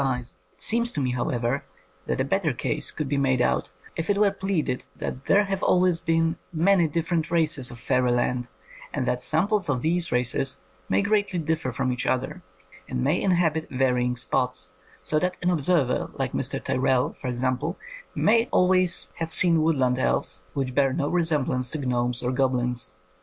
141 THE COMING OF THE FAIRIES It seems to me, however, that a better case could be made out if it were pleaded that there have always been many different races of fairyland, and that samples of these races may greatly differ from each other, and may inhabit varying spots; so that an observer like Mr. Tyrrell, for example, may always have seen woodland elves, which bear no resemblance to gnomes or goblins.